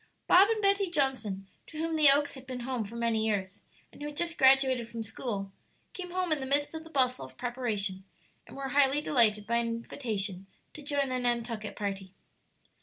Bob and Betty Johnson, to whom the Oaks had been home for many years, and who had just graduated from school, came home in the midst of the bustle of preparation, and were highly delighted by an invitation to join the Nantucket party.